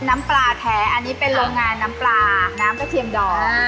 น้ำปลาแท้อันนี้เป็นโรงงานน้ำปลาน้ำกระเทียมดอง